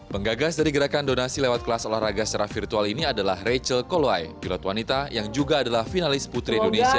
penggagas dari gerakan donasi lewat kelas olahraga secara virtual ini adalah rachel koluai pilot wanita yang juga adalah finalis putri indonesia